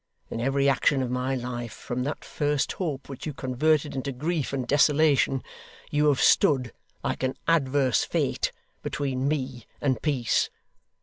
In every action of my life, from that first hope which you converted into grief and desolation, you have stood, like an adverse fate, between me and peace.